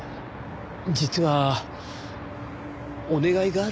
実はお願いがあるんですが。